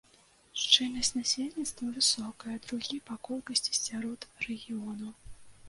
Шчыльнасць насельніцтва высокая, другі па колькасці сярод рэгіёнаў.